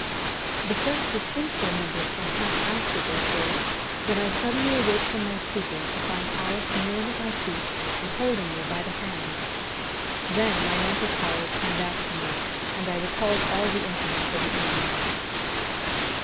The first distinct remembrance I have after this is, that I suddenly awoke from my stupor to find Alice kneeling at my feet, and holding me by the hand. Then my mental powers came back to me, and I recalled all the incidents of the evening.